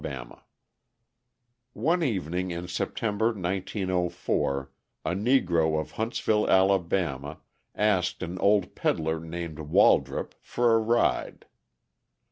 _ One evening in September, 1904, a Negro of Huntsville, Ala., asked an old peddler named Waldrop for a ride.